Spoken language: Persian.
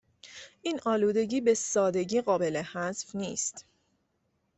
این آلودگی به سادگی قابل حذف نیست